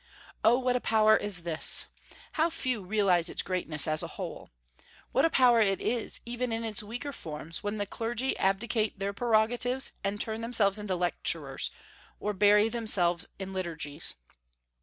Oh, what a power is this! How few realize its greatness, as a whole! What a power it is, even in its weaker forms, when the clergy abdicate their prerogatives and turn themselves into lecturers, or bury themselves in liturgies!